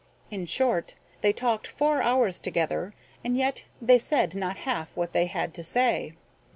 In short, they talked four hours together, and yet they said not half what they had to say.